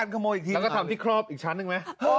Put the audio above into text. ครับแล้วก็ทำที่ครอบอีกชั้นหนึ่งไหม